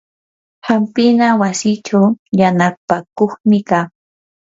hampina wasichaw yanapakuqmi kaa.